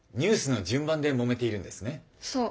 そう。